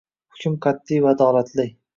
Hukm qat’iy va adolatli.